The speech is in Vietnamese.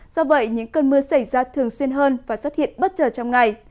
do vậy những cơn mưa xảy ra thường xuyên hơn và xuất hiện bất chờ trong ngày